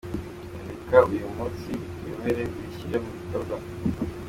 Reka uyu munsi rikuyobore urishyire mu bikorwa.